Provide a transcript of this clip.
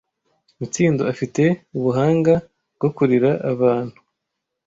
Mitsindo afite ubuhanga bwo kurira abantu.